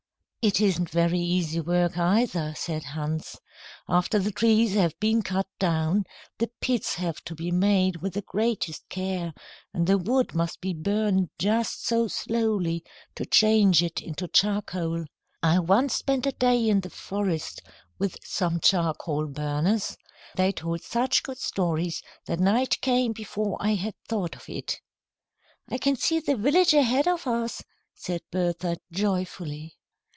"It isn't very easy work, either," said Hans. "After the trees have been cut down, the pits have to be made with the greatest care, and the wood must be burned just so slowly to change it into charcoal. I once spent a day in the forest with some charcoal burners. They told such good stories that night came before I had thought of it." "I can see the village ahead of us," said Bertha, joyfully.